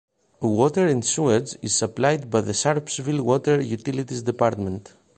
Water and Sewage is supplied by the Sharpsville Water Utilities Department.